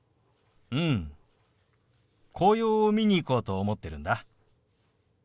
紅葉を見に行こうと思ってるんだ。